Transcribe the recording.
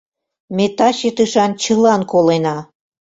Ме таче тышан чылан колена.